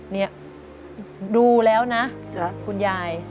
นี่ดูแล้วนะคุณยาย